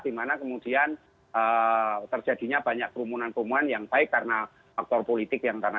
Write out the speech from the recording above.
dimana kemudian terjadinya banyak kerumunan kerumunan yang baik karena faktor politik yang karena